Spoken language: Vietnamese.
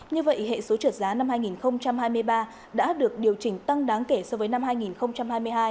như vậy hệ số trượt giá năm hai nghìn hai mươi ba đã được điều chỉnh tăng đáng kể so với năm hai nghìn hai mươi hai